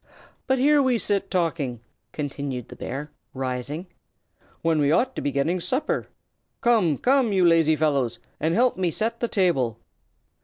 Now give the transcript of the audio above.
But here we sit, talking," continued the bear, rising, "when we ought to be getting supper. Come! come! you lazy fellows, and help me set the table."